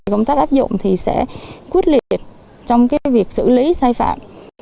công tác áp dụng thì sẽ quyết liệt trong việc xử lý sai phạm